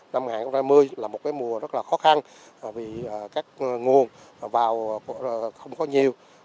năm hai nghìn hai mươi là một mùa rất là khó khăn vì các nguồn vào không có nhiều